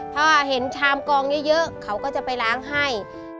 พอเห็นชามกองเยอะเขาก็จะไปล้างให้